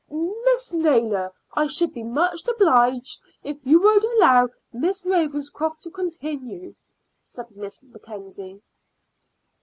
"Mrs. Naylor, I should be much obliged if you would allow Miss Ravenscroft to continue," said Miss Mackenzie.